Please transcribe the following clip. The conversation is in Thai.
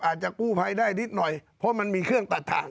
อาจจะกู้ภัยได้นิดหน่อยเพราะมันมีเครื่องตัดทาง